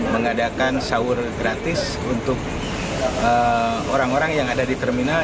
mengadakan sahur gratis untuk orang orang yang ada di terminal